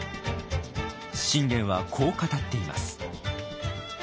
信玄はこう語っています。